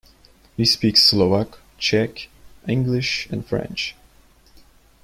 He speaks Slovak, Czech, English and French.